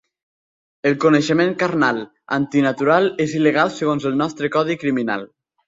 El coneixement carnal antinatural és il·legal segons el nostre codi criminal.